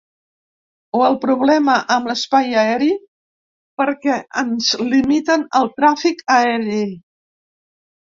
O el problema amb l’espai aeri, perquè ens limiten el tràfic aeri.